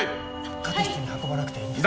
カテ室に運ばなくていいんですか？